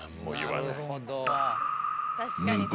なるほど。